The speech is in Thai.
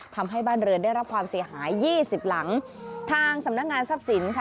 ทำให้บ้านเรือนได้รับความเสียหายยี่สิบหลังทางสำนักงานทรัพย์สินค่ะ